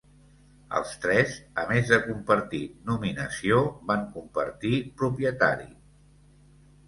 Els tres, a més de compartir nominació, van compartir propietari: